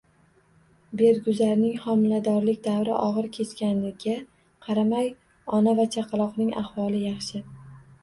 Berguzarning homiladorlik davri og‘ir kechganiga qaramay, ona va chaqaloqning ahvoli yaxshi